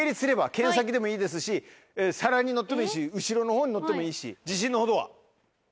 剣先でもいいですし皿に乗ってもいいし後ろの方に乗ってもいいし。